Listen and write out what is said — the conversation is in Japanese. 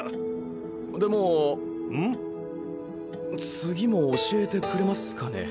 次も教えてくれますかね？